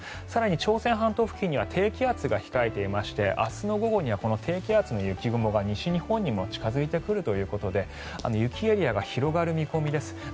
更に朝鮮半島付近には低気圧が控えていまして明日の午後にはこの低気圧の雪雲が西日本にも近付いてくるということで雪エリアが広がる見込みです。